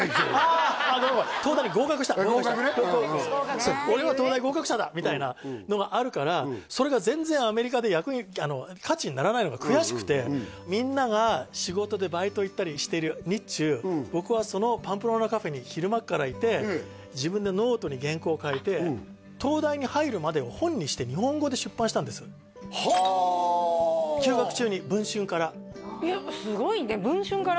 東大に合格した合格ねそう俺は東大に合格したんだみたいなのがあるからそれが全然アメリカで価値にならないのが悔しくてみんなが仕事でバイト行ったりしてる日中僕はそのパンプローナカフェに昼間からいて自分でノートに原稿を書いてはあ！休学中に文春からえっすごいね文春から？